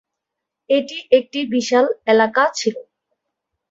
এটি একটি বিশাল এলাকা ছিল।